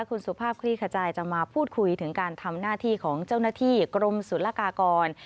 คุณสุภาพคลี่ขจายจะมาพูดคุยถึงการทำหน้าที่ของเจ้าหน้าที่กรมศุลกากร